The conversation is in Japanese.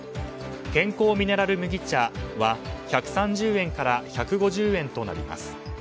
健康ミネラルむぎ茶は１３０円から１５０円となります。